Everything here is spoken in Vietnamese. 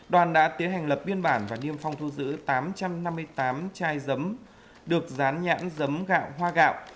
đoàn đã tiến hành lập biên bản và niêm phong thu giữ tám trăm năm mươi tám chai giấm được rán nhãn giấm gạo hoa gạo